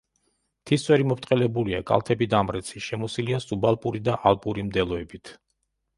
მთის წვერი მობრტყელებულია, კალთები დამრეცი, შემოსილია სუბალპური და ალპური მდელოებით.